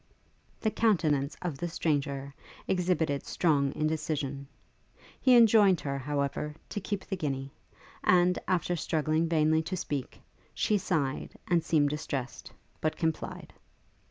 The countenance of the stranger exhibited strong indecision. He enjoined her, however, to keep the guinea, and, after struggling vainly to speak, she sighed, and seemed distressed, but complied.